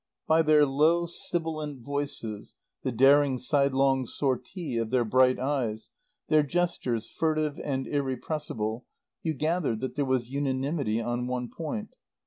By their low sibilant voices, the daring sidelong sortie of their bright eyes, their gestures, furtive and irrepressible, you gathered that there was unanimity on one point.